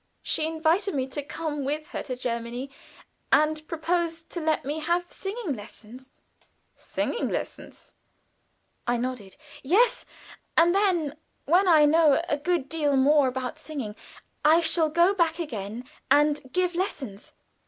She invited me to come with her to Germany, and promised to let me have singing lessons." "Singing lessons?" I nodded. "Yes; and then when I know a good deal more about singing, I shall go back again and give lessons.